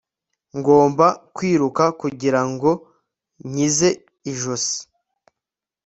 ngomba kwiruka kugira ngo nkize ijosi